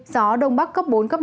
gió đông bắc cấp bốn cấp năm